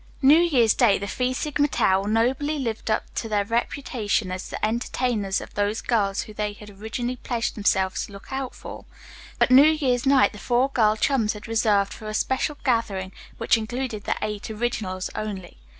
New Year's Day the Phi Sigma Tau nobly lived up to their reputation as entertainers of those girls who they had originally pledged themselves to look out for, but New Year's Night the four girl chums had reserved for a special gathering which included the "eight originals" only.